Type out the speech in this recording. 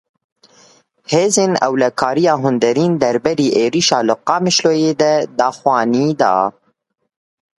Hêzên Ewlekariya Hundirîn derberî êrişa li Qamişloyê de daxuyanî da.